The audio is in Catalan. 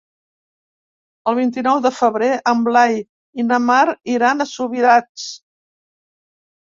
El vint-i-nou de febrer en Blai i na Mar iran a Subirats.